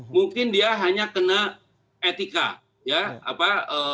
mungkin dia hanya kena etika ya